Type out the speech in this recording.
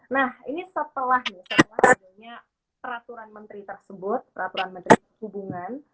nah ini setelah nih setelah adanya peraturan menteri tersebut peraturan menteri perhubungan